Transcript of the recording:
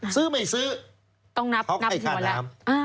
ซื้อไม่ซื้อเขาให้ค่าน้ำ